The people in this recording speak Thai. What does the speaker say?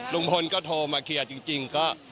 ลุงพลก็โทรมาเคลียร์จริงก็